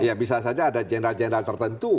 ya bisa saja ada jenderal jenderal tertentu